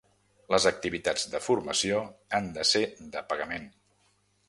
Les activitats de formació han de ser de pagament.